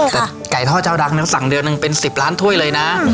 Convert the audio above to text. แต่ไก่ทอดเจ้าดังเนี่ยสั่งเดือนหนึ่งเป็น๑๐ล้านถ้วยเลยนะ